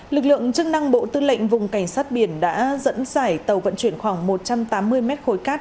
lực lượng chức năng bộ tư lệnh vùng cảnh sát biển đã dẫn dải tàu vận chuyển khoảng một trăm tám mươi mét khối cát